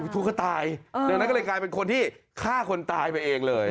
ทุกข์ก็ตายดังนั้นก็เลยกลายเป็นคนที่ฆ่าคนตายไปเองเลย